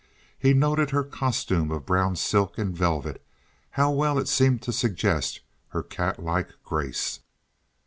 He noted her costume of brown silk and velvet—how well it seemed to suggest her cat like grace!